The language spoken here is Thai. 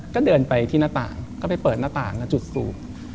ก็เดินไปที่หน้าต่างก็ไปเปิดหน้าต่างจุดสูบ